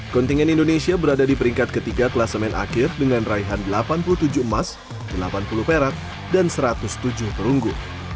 kontingen indonesia berada di peringkat ketiga kelasemen akhir dengan raihan delapan puluh tujuh emas delapan puluh perak dan satu ratus tujuh perunggu